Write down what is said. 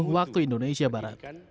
waktu indonesia barat